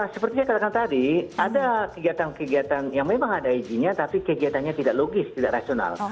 seperti saya katakan tadi ada kegiatan kegiatan yang memang ada izinnya tapi kegiatannya tidak logis tidak rasional